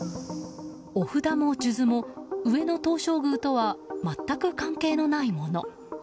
お札も数珠も上野東照宮とは全く関係のないもの。